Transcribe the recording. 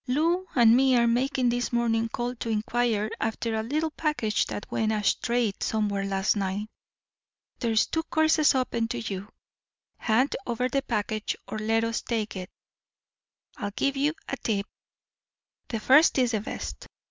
"Lou and me are making this morning call to inquire after a little package that went astray somewhere last night. There's two courses open to you hand over the package or let us take it. I'll give you a tip the first is the best.